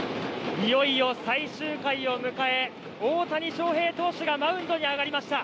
いよいよ最終回を迎え、大谷翔平投手がマウンドに上がりました。